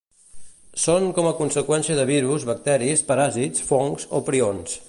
Són com a conseqüència de virus, bacteris, paràsits, fongs o prions.